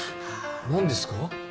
何ですか？